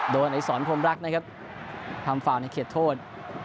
อดิษรพรมรักนะครับทำฟาวในเขตโทษ